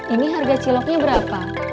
ini harga ciloknya berapa